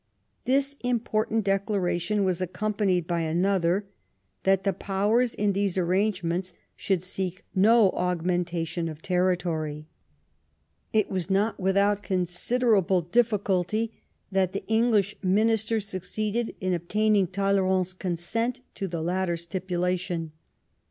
This important declaration was ac companied by another, that the Powers in these arrange ments would seek no augmentation of territory. It was not without considerable difficulty that the English minister succeeded in obtaining Talleyrand's consent to the latter stipulation.